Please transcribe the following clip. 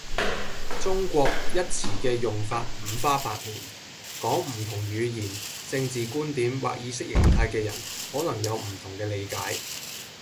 「中國」一詞嘅用法五花八門，講唔同語言，政治觀點或意識形態嘅人可能有唔同嘅理解